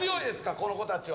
この子たちは。